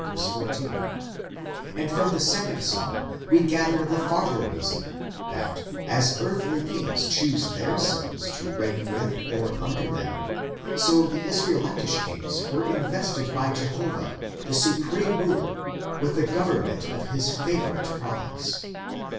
14); and from the second psalm we gather the farther reason, that as earthly kings choose their sons to reign with or under them, so the Israelitish kings were invested by Jehovah, the supreme ruler, with the government of his favourite province.